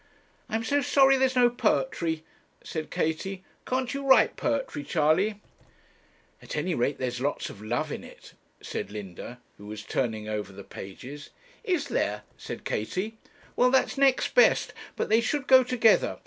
'I'm so sorry that there's no poetry,' said Katie. 'Can't you write poetry, Charley?' 'At any rate there's lots of love in it,' said Linda, who was turning over the pages. 'Is there?' said Katie. 'Well, that's next best; but they should go together.